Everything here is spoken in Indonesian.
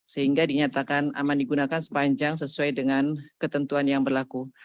sehingga dinyatakan aman digunakan sepanjang sesuai dengan ketentuan yang berlaku